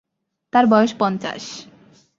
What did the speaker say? তাঁর বয়স পঞ্চাশ।